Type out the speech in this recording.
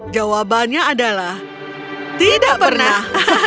jawabannya adalah tidak pernah